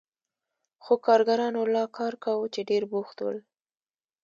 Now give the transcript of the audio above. خو کارګرانو لا کار کاوه چې ډېر بوخت ول.